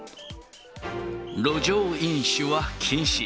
路上飲酒は禁止。